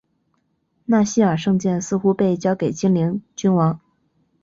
纳希尔圣剑似乎被交给精灵君王。